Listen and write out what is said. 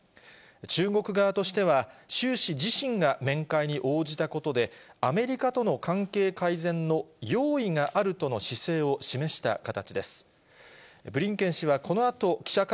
中国側としては、習氏自身が面会に応じたことで、アメリカとの関係改善の用意があるとの姿勢を示した形です。